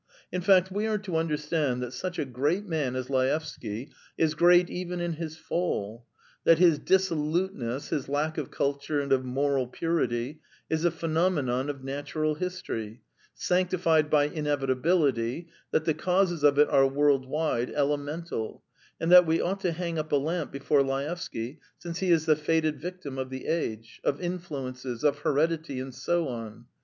. in fact, we are to understand that such a great man as Laevsky is great even in his fall: that his dissoluteness, his lack of culture and of moral purity, is a phenomenon of natural history, sanctified by inevitability; that the causes of it are world wide, elemental; and that we ought to hang up a lamp before Laevsky, since he is the fated victim of the age, of influences, of heredity, and so on.